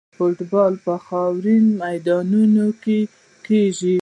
فوټبال په خاورینو میدانونو کې کیږي.